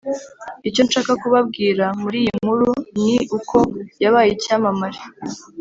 Icyo nshaka kubabwira muri iyi nkuru ni uko yabaye icyamamare